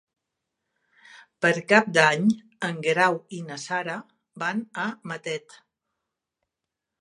Per Cap d'Any en Guerau i na Sara van a Matet.